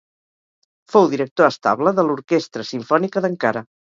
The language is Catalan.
Fou director estable de l'Orquestra Simfònica d'Ankara.